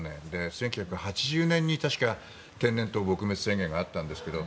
１９８０年に天然痘撲滅宣言が確かあったんですけど。